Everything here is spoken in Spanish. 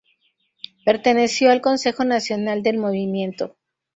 Perteneció al Consejo Nacional del Movimiento.